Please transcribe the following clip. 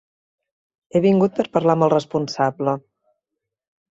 He vingut per parlar amb el responsable.